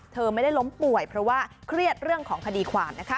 เธอไม่ได้ล้มป่วยเพราะว่าเครียดเรื่องของคดีความนะคะ